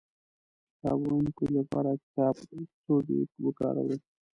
د کتاب ويونکي لپاره کتابڅوبی وکاروئ